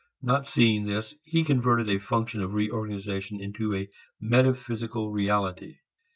Not seeing this, he converted a function of reorganization into a metaphysical reality.